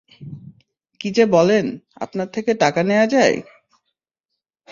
কী যে বলেন, আপনার থেকে টাকা নেয়া যায়!